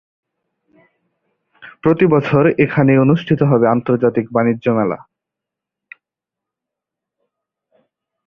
প্রতি বছর এখানেই অনুষ্ঠিত হবে আন্তর্জাতিক বাণিজ্য মেলা।